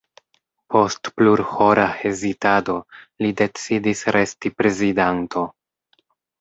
Post plurhora hezitado li decidis resti prezidanto.